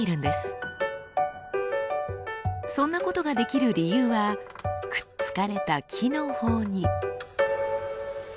そんなことができる理由はくっつかれた木のほうに。